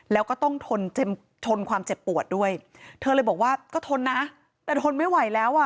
แล้วก็ต้องทนเจ็บทนความเจ็บปวดด้วยเธอเลยบอกว่าก็ทนนะแต่ทนไม่ไหวแล้วอ่ะ